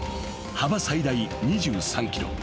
幅最大２３ｋｍ］